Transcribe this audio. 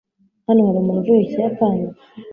Hano hari umuntu uvuga Ikiyapani?